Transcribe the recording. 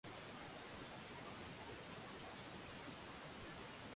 pia wanaamini kuwa masuala ya tuhuma za uongo siyo sasa tena na wanadhani kuwa